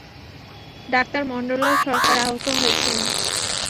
Doctor Mahendralal Sarkar আহূত হইয়াছিলেন।